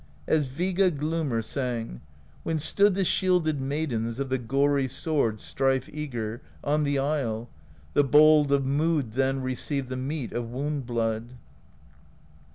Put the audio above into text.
As Viga Glumr sang: When stood the shielded Maidens Of the gory sword, strife eager, On the isle; the Bold of Mood then Received the meat of wound blood.